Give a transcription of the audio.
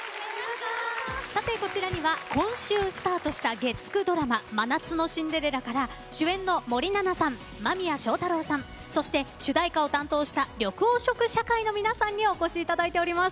こちらには今週スタートした月９ドラマ「真夏のシンデレラ」から主演の森七菜さん間宮祥太朗さんそして主題歌を担当した緑黄色社会の皆さんにお越しいただいております。